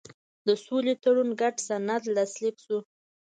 د سولې تړون ګډ سند لاسلیک شو.